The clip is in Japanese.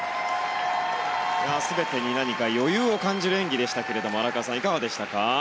全てに何か余裕を感じる演技でしたが荒川さん、いかがでしたか？